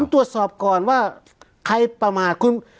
ตรวจสอบก่อนว่าใครประมาทคุณ